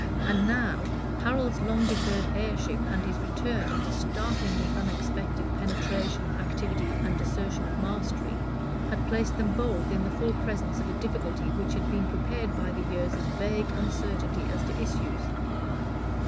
And now, Harold's long deferred heirship, and his return with startlingly unexpected penetration, activity, and assertion of mastery, had placed them both in the full presence of a difficulty which had been prepared by the years of vague uncertainty as to issues.